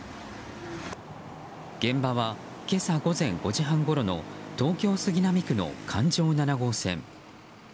現場は今朝午前５時半ごろの東京・杉並区の環状７号線。